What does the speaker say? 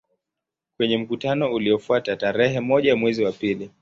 Kwenye mkutano uliofuata tarehe moja mwezi wa pili